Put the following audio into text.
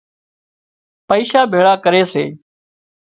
پئيشا ڀيۯا ڪري سي